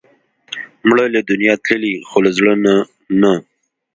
مړه له دنیا تللې، خو له زړه نه نه